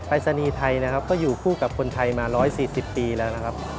รายศนีย์ไทยนะครับก็อยู่คู่กับคนไทยมา๑๔๐ปีแล้วนะครับ